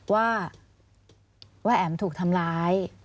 ว่าแอ๋มถูกทำร้าย